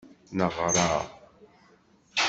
Neɣṛa.